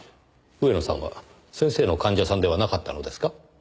上野さんは先生の患者さんではなかったのですか？